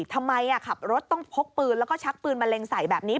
ขับรถต้องพกปืนแล้วก็ชักปืนมะเร็งใส่แบบนี้